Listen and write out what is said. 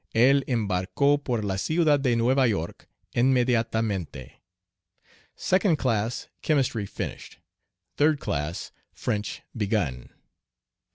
El embarcó por la ciudad de Nueva York inmediatemente Second class, chemistry finished. Third class, French begun.